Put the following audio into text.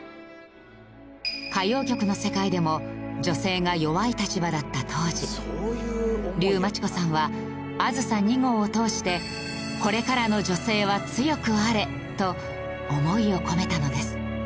歌謡曲の世界でも女性が弱い立場だった当時竜真知子さんは『あずさ２号』を通して「これからの女性は強くあれ！」と思いを込めたのです。